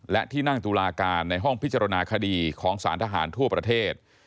และที่นั่งตุลาการในห้องพิจารณาคดีของสารทหารทั่วประเทศ